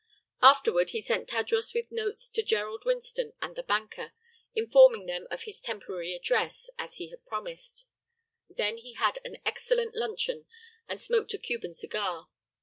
Afterward he sent Tadros with notes to Gerald Winston and the banker, informing them of his temporary address, as he had promised. Then he had an excellent luncheon and smoked a Cuban cigar.